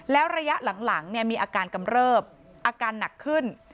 แล้วระยะหลังมีอาการกำเริบอาการหนักขึ้น